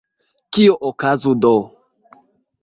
Kio okazu do?